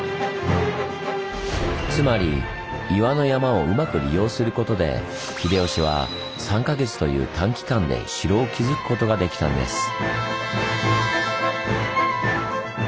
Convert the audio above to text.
つまり岩の山をうまく利用することで秀吉は３か月という短期間で城を築くことができたんです。